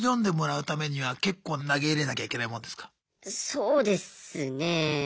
そうですねえ。